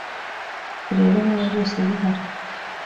urebe niba byose bihari